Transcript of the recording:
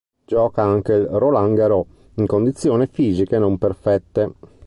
Gioca anche il Roland Garros in condizioni fisiche non perfette.